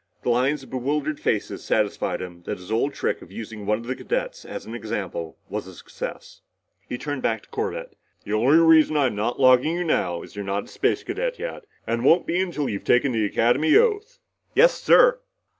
The lines of bewildered faces satisfied him that his old trick of using one of the cadets as an example was a success. He turned back to Corbett. "The only reason I'm not logging you now is because you're not a Space Cadet yet and won't be, until you've taken the Academy oath!" "Yes, sir!"